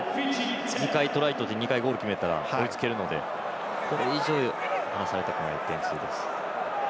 ２回トライ取って２回ゴール決めたら追いつけるので、これ以上離されたくない点数です。